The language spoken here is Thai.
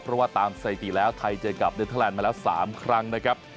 เพราะว่าตามสัยตีแล้วไทยเจอกลับนึกทะลานมาแล้ว๓ครั้งนะครับ